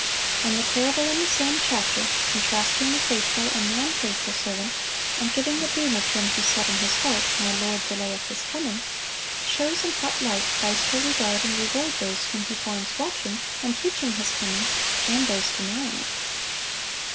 And the parable in the same chapter, contrasting the faithful and the unfaithful servant, and giving the doom of him who said in his heart, "My Lord delayeth His coming," shows in what light Christ will regard and reward those whom He finds watching, and teaching His coming, and those denying it.